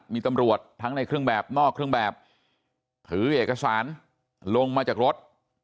มีตำรวจทั้งในเครื่องแบบนอกเครื่องแบบถือเอกสารลงมาจากรถ